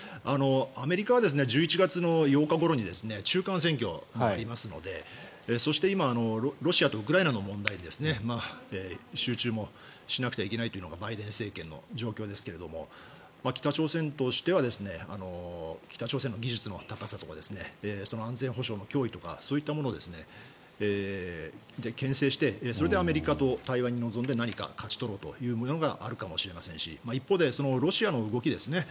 アメリカは１１月８日ごろに中間選挙がありますのでそして今ロシアとウクライナの問題に集中もしなくてはいけないというのがバイデン政権の状況ですが北朝鮮としては北朝鮮の技術の高さとかその安全保障の脅威とかそういったものをけん制してそれでアメリカと対話に臨んで何か勝ち取ろうというのがあるかもしれませんし一方で、ロシアの動きですね。